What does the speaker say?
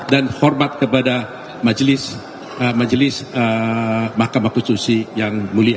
dan hormat kepada majelis mahkamah konstitusi yang mulia